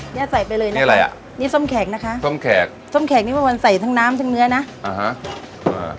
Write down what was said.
เนี้ยใส่ไปเลยนะนี่อะไรอ่ะนี่ส้มแข็งนะคะส้มแขกส้มแขกนี่เมื่อวานใส่ทั้งน้ำทั้งเนื้อนะอ่าฮะอ่า